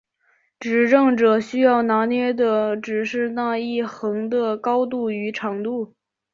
执政者需要拿捏的只是那一横的高度与长度。